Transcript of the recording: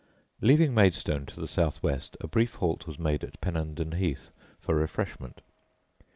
Leaving Maidstone to the south west, a brief halt was made at Pennenden Heath for refreshment.